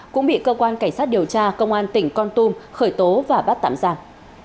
cũng bị cơ quan cảnh sát điều tra công an tỉnh con tum khởi tố và bắt tạm giam